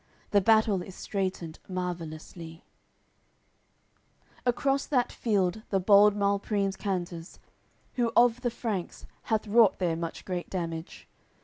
The battle is straitened marvellously. AOI. CCXLVII Across that field the bold Malprimes canters; Who of the Franks hath wrought there much great damage.